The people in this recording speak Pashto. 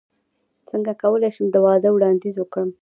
څنګه کولی شم د واده وړاندیز وکړم